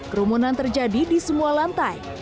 kerumunan terjadi di semua lantai